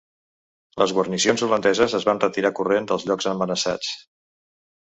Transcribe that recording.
Les guarnicions holandeses es van retirar corrent dels llocs amenaçats.